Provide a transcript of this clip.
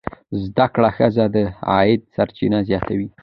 زده کړه ښځه د عاید سرچینې زیاتوي.